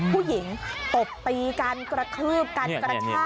ผู้หญิงตบปีกันกระทืบกัน